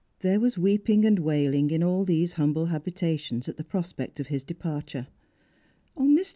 There was weeping and wailing in all these humble habita tions at the prospect of his departure. Mr.